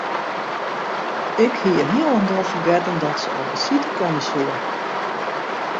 Ik hie hielendal fergetten dat se op besite komme soe.